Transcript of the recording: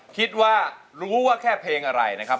คิดว่ารู้ว่าแค่เพลงอะไรนะครับ